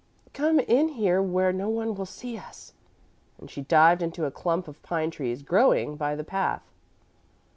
"Come in here where no one will see us"; and she dived into a clump of pine trees growing by the path.